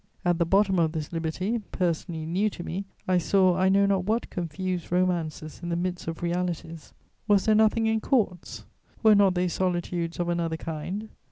At the bottom of this liberty, personally new to me, I saw I know not what confused romances in the midst of realities: was there nothing in Courts? Were not they solitudes of another kind?